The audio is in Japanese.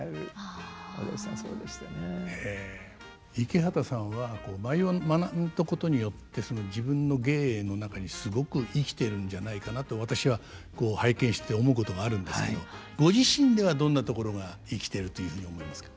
池畑さんは舞を学んだことによって自分の芸の中にすごく生きてるんじゃないかなって私は拝見して思うことがあるんですけどご自身ではどんなところが生きてるというふうに思いますか？